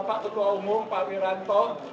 pak ketua umum pak wiranto